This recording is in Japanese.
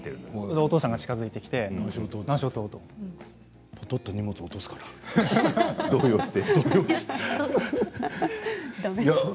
お父さんが近づいてきてぽとっと荷物を落とすかな動揺して。